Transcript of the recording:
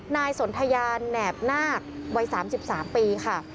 นายสนทยาแหนบนาควัย๓๓ปีค่ะ